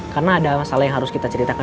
karena ada masalah yang harus kita ceritakan